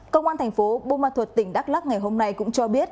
công an thành phố bô ma thuật tỉnh đắk lắc ngày hôm nay cũng cho biết